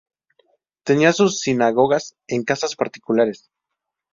Tenían sus sinagogas en casas particulares.